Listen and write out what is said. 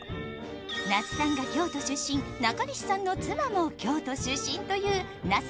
那須さんが京都出身、中西さんの妻も京都出身というなす